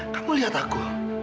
kamu lihat aku